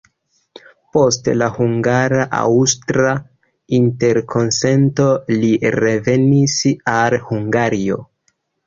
Post la hungara-aŭstra interkonsento, li revenis al Hungario.